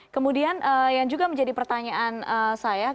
kemudian yang juga menjadi pertanyaan saya